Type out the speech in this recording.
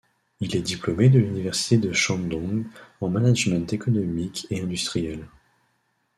Il est diplômé de l'Université du Shandong en management économique et industrielle.